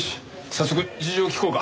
早速事情を聴こうか。